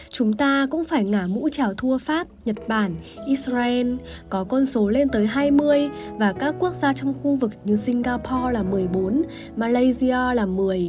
chúng ta cũng phải ngả mũ trào thua pháp nhật bản israel có con số lên tới hai mươi và các quốc gia trong khu vực như singapore là một mươi bốn malaysia là một mươi